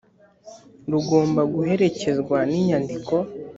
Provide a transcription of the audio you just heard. rugomba guherekezwa n’inyandiko